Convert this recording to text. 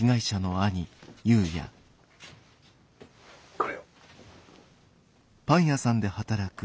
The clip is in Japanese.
これを。